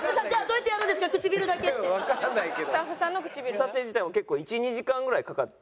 撮影自体も結構１２時間ぐらいかかって。